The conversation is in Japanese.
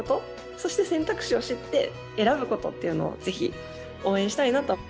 そして選択肢を知って選ぶ事っていうのをぜひ応援したいなと。